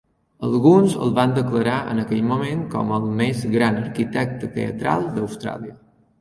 Alguns el van declarar en aquell moment com el més gran arquitecte teatral d'Austràlia.